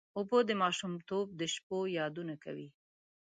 اوبه د ماشومتوب د شپو یادونه کوي.